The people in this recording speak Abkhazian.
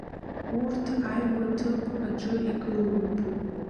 Урҭ аҩба ҭыԥк аҿы игылоуп.